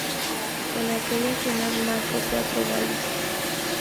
En aquella final, marcó cuatro goles.